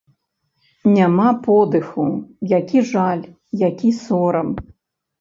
Няма подыху, які жаль, які сорам.